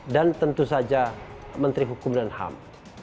dan tentu saja menteri hukum dan ham